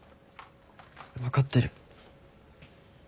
わかってる。